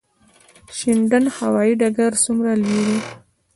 شینډنډ هوايي ډګر څومره لوی دی؟